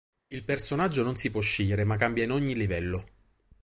Il personaggio non si può scegliere ma cambia in ogni livello.